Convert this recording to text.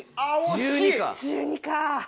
１２か。